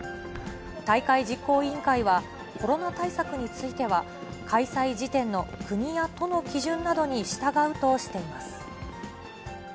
大会実行委員会は、コロナ対策については、開催時点の国や都の基準などに従うとしています。